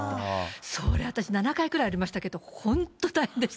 それ、私、７回くらいありましたけど、本当大変でした。